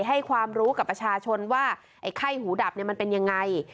ให้ความรู้กับประชาชนว่าไอ้ไข้หูดับมันเป็นยังไง